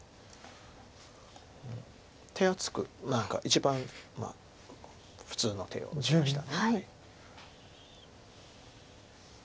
手厚く何か一番普通の手を打ちました。